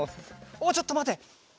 おおちょっとまて。